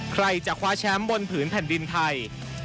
ใครจะคว้าแชมป์บนผืนแผ่นดินไทย